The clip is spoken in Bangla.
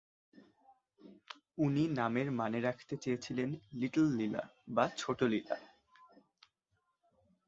উনি নামের মানে রাখতে চেয়েছিলেন "লিটল লীলা" বা ছোট লীলা।